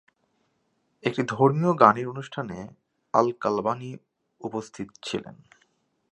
একটি ধর্মীয় গানের অনুষ্ঠানে আল-কালবানি উপস্থিত ছিলেন।